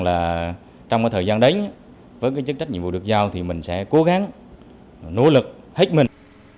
và trong thời gian đấy với chức trách nhiệm vụ được giao thì mình sẽ cố gắng nỗ lực hết mình